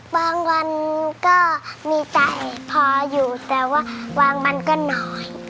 วันก็มีใจพออยู่แต่ว่าบางวันก็น้อย